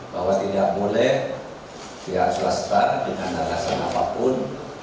bahwa tidak boleh pihak swasta dengan alasan apapun